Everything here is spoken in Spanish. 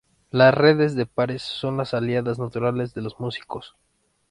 las redes de pares son las aliadas naturales de los músicos